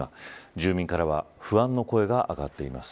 住民からは不安の声が上がっています。